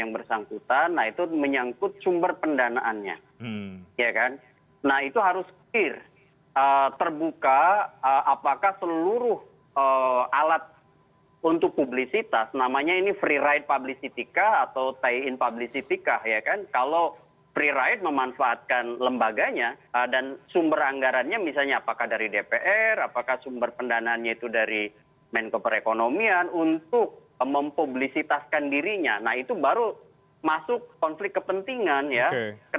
bapak bapak dari sisi strategi atau komunikasi politik